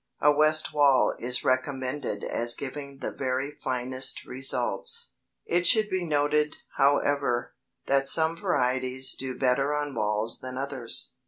A west wall is recommended as giving the very finest results. It should be noted, however, that some varieties do better on walls than others.